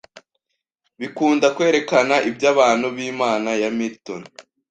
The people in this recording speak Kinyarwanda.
bikunda kwerekana ibyabantu, bimana ya Milton